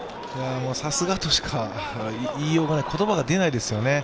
さすがとしか言いようがない、言葉が出ないですよね。